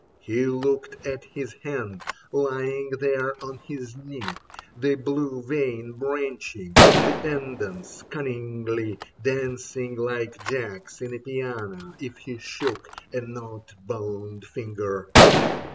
He looked at his hand, lying there on his knee. The blue veins branching, the tendons cunningly Dancing like jacks in a piano if he shook A knot boned finger.